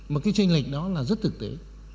mà cái tranh lệch đó là rất thực tế